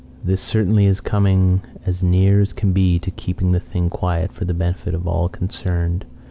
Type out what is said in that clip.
"This certainly is coming as near as can be to keeping the thing quiet for the benefit of all concerned.